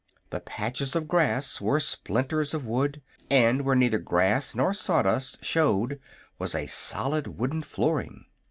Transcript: The patches of grass were splinters of wood, and where neither grass nor sawdust showed was a solid wooden flooring.